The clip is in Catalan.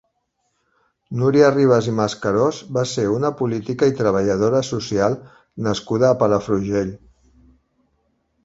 Núria Rivas i Mascarós va ser una política i treballadora social nascuda a Palafrugell.